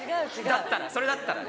だったらそれだったらね。